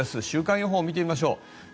週間予報を見てみましょう。